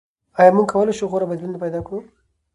آیا موږ کولای شو غوره بدیلونه پیدا کړو؟